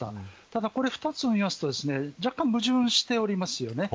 ただこの２つを見ますと若干矛盾しておりますよね。